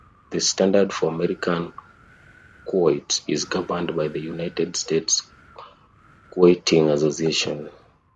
The standard for American Quoits is governed by the United States Quoiting Association.